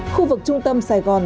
khu vực trung tâm sài gòn